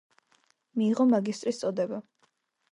მიიღო მაგისტრის წოდება.